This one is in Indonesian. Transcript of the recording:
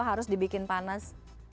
harus dibikin panas